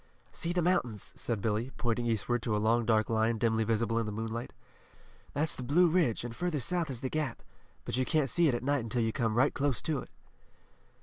"See the mountains," said Billy, pointing eastward to a long dark line dimly visible in the moonlight. "That's the Blue Ridge, and further south is the Gap, but you can't see it at night until you come right close to it."